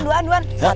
satu dua tiga